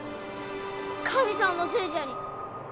神さんのせいじゃに。